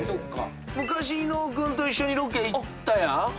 昔伊野尾君と一緒にロケ行ったやん？